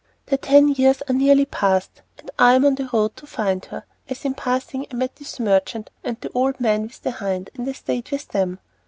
The ten years are nearly passed, and I am on the road to find her. As in passing I met this merchant and the old man with the hind, I stayed with them.